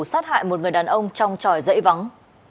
sát hại một người đàn ông trong tròi dãy vắng